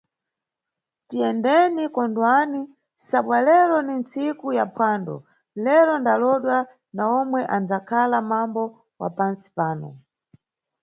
Tiyendeni, kondwani, sabwa lero ni nntsiku ya phwando, lero ndalowodwa na omwe anidzakhala mambo wa pantsi pano.